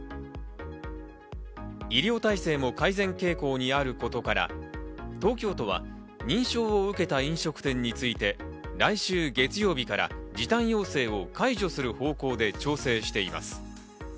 医療体制も改善傾向にあることから、東京都は認証を受けた飲食店に対して、来週月曜日から時短要請を解除する方向で調整しています。